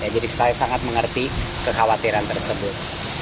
jadi saya sangat mengerti kekhawatiran tersebut